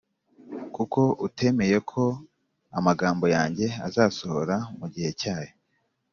kuko utemeye ko amagambo yanjye azasohora mu gihe cyayo